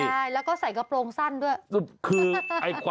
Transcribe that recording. ใช่แล้วก็ใส่กระโปรงสั้นด้วย